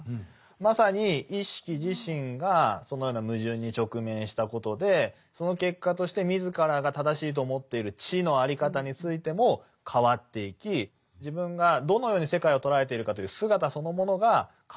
まさに意識自身がそのような矛盾に直面したことでその結果として自らが正しいと思っている知の在り方についても変わっていき自分がどのように世界を捉えているかという姿そのものが変わってくる。